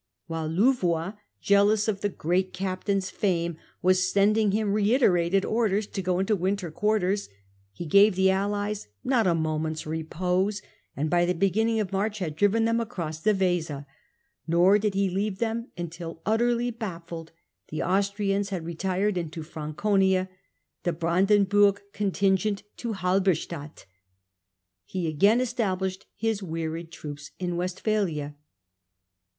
While Louvois, jealous of the Great Captain's fame, was sending him reiterated orders to go into winter quarters, he gave the allies not a moment's repose, and by the beginning of March had driven them across the Weser ; nor did he leave them until, utterly baffled, the Austrians had retired into Franconia, the Brandenburg contingent to Halberstadt. He again established his wearied troops in Westphalia.